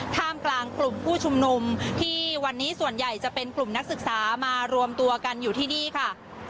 ท่ามกลางกลุ่มผู้ชุมนุมที่วันนี้ส่วนใหญ่จะเป็นกลุ่มนักศึกษามารวมตัวกันอยู่ที่นี่ค่ะ